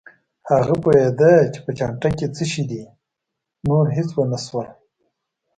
هغه پوهېده چې په چانټه کې څه شي دي، نور هېڅ ونه شول.